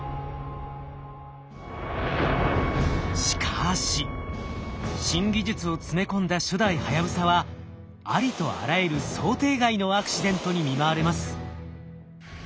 しかし新技術を詰め込んだ初代はやぶさはありとあらゆる想定外のアクシデントに見舞われます。